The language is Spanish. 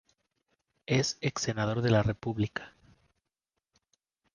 Es Ex Senador de la República.